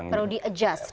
perlu di adjust